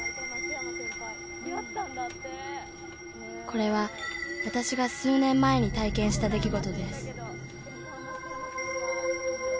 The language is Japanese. ［これは私が数年前に体験した出来事です］